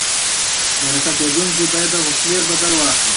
مرکه کېدونکی باید د حوصلې بدل واخلي.